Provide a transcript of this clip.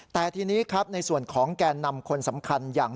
แต่ทีนี้ครับในส่วนของแก่นำคนสำคัญอย่าง